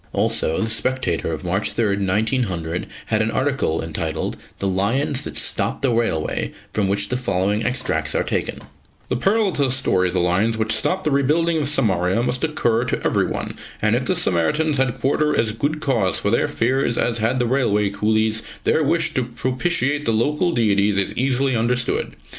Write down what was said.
Also, The Spectator of March 3, 1900, had an article entitled "The Lions that Stopped the Railway," from which the following extracts are taken: "The parallel to the story of the lions which stopped the rebuilding of Samaria must occur to everyone, and if the Samaritans had quarter as good cause for their fears as had the railway coolies, their wish to propitiate the local deities is easily understood.